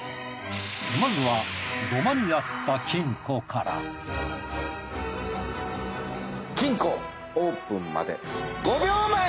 まずは土間にあった金庫から金庫オープンまで５秒前！